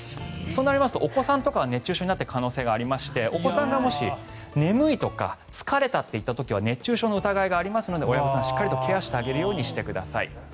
そうなりますとお子さんとかは熱中症になっている可能性がありましてお子さんがもし眠いとか疲れたって言った時には熱中症の危険性がありますので親御さん、しっかりとケアしてあげてください。